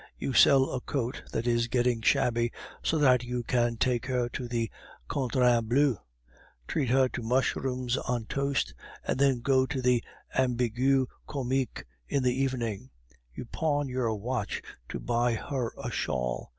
You sell a coat that is getting shabby, so that you can take her to the Cadran bleu, treat her to mushrooms on toast, and then go to the Ambigu Comique in the evening; you pawn your watch to buy her a shawl.